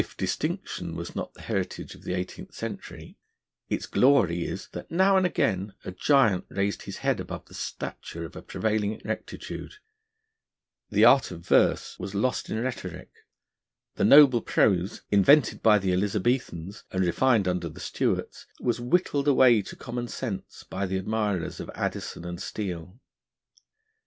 If distinction was not the heritage of the Eighteenth Century, its glory is that now and again a giant raised his head above the stature of a prevailing rectitude. The art of verse was lost in rhetoric; the noble prose, invented by the Elizabethans, and refined under the Stuarts, was whittled away to common sense by the admirers of Addison and Steele.